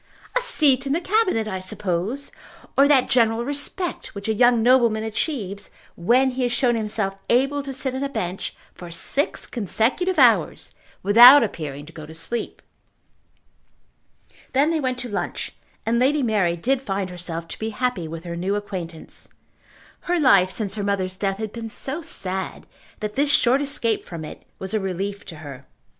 "A seat in the Cabinet, I suppose, or that general respect which a young nobleman achieves when he has shown himself able to sit on a bench for six consecutive hours without appearing to go to sleep." Then they went to lunch, and Lady Mary did find herself to be happy with her new acquaintance. Her life since her mother's death had been so sad, that this short escape from it was a relief to her.